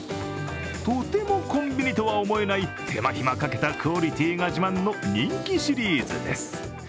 とてもコンビニとは思えない手間暇かけたクオリティーが自慢の人気シリーズです。